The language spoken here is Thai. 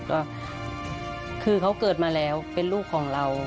ก็คือเขาเกิดมาแล้วเป็นลูกของเรา